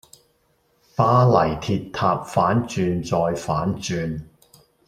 巴黎鐵塔反轉再反轉